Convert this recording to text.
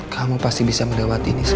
kamu pasti bisa melewati ini